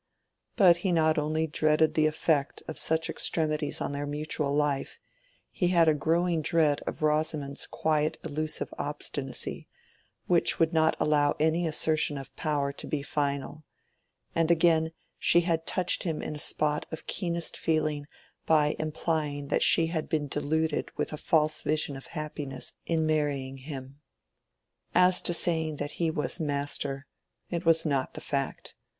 But he not only dreaded the effect of such extremities on their mutual life—he had a growing dread of Rosamond's quiet elusive obstinacy, which would not allow any assertion of power to be final; and again, she had touched him in a spot of keenest feeling by implying that she had been deluded with a false vision of happiness in marrying him. As to saying that he was master, it was not the fact.